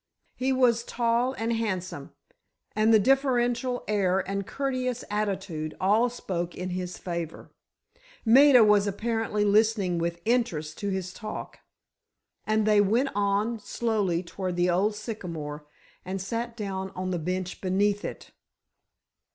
He was tall and handsome and the deferential air and courteous attitude all spoke in his favor. Maida was apparently listening with interest to his talk, and they went on slowly toward the old sycamore and sat down on the bench beneath it.